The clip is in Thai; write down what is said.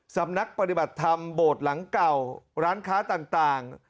สำนักปฏิบัติธรรมโบสถ์หลังเก่าร้านค้าต่าง